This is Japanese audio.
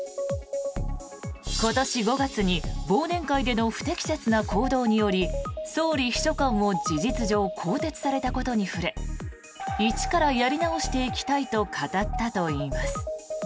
今年５月に忘年会での不適切な行動により総理秘書官を事実上更迭されたことに触れ一からやり直していきたいと語ったといいます。